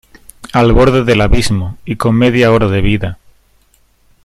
al borde del abismo y con media hora de vida,